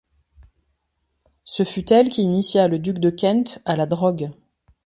Ce fut elle qui initia le duc de Kent à la drogue.